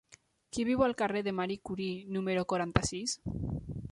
Qui viu al carrer de Marie Curie número quaranta-sis?